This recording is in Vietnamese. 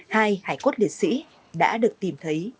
hai hải cốt liệt sĩ đã được tìm thấy